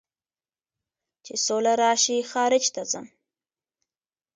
چې سوله راشي خارج ته ځم